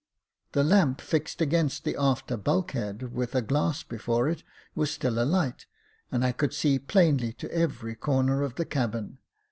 The lamp fixed against the after bulk head, with a glass before it, was still alight, and I could see plainly to every corner of the cabin.